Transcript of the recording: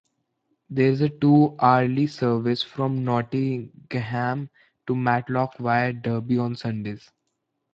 There is a two hourly service from Nottingham to Matlock via Derby on Sundays.